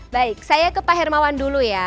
baik saya ke pak hermawan dulu ya